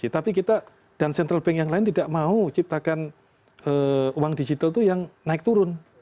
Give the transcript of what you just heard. tapi kita dan central bank yang lain tidak mau ciptakan uang digital itu yang naik turun